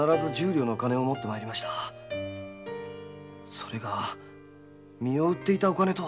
それが身を売っていたお金とは。